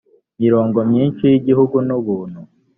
imirongo myinshi yigihugu nubuntu.